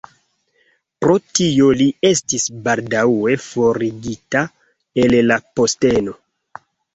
Pro tio li estis baldaŭe forigita el la posteno.